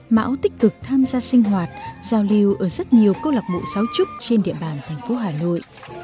mão tích cực tham gia sinh hoạt giao lưu ở rất nhiều câu lạc bộ sáo trúc trên địa bàn thành phố hà nội